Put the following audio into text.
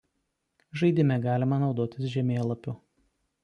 Žaidime galima naudotis žemėlapiu.